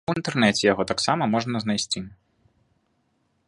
І ў інтэрнэце яго таксама можна знайсці.